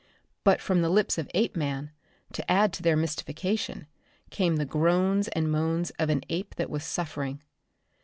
But from the lips of Apeman, to add to their mystification, came the groans and moans of an ape that was suffering.